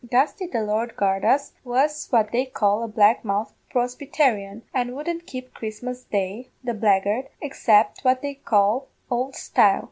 Gusty, the Lord guard us, was what they call a black mouth Prosbytarian, and wouldn't keep Christmas day, the blagard, except what they call 'ould style.'